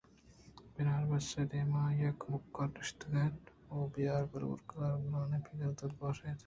بناربس ءِ دیم ءَ آئی ءِ کمکار نشتگ اِت انت ءُ بئیر ءِ بلور ءَ گوں گرٛانیں پگرے ءَ دلگوش اِت اَنت